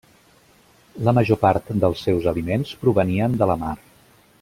La major part dels seus aliments provenien de la mar.